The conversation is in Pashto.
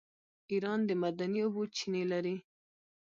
ایران د معدني اوبو چینې لري.